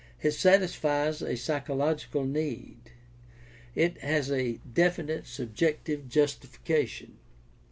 It satisfies a psychological need. It has a definite subjective justification.